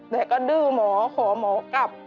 แต่ก็ดื้อหมอขอหมอกลับ